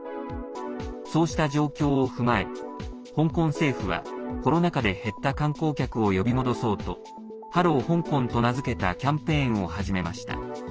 そうした状況を踏まえ香港政府は、コロナ禍で減った観光客を呼び戻そうとハロー香港と名付けたキャンペーンを始めました。